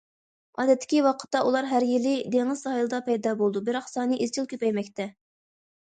ئادەتتىكى ۋاقىتتا، ئۇلار ھەر يىلى دېڭىز ساھىلىدا پەيدا بولىدۇ، بىراق سانى ئىزچىل كۆپەيمەكتە.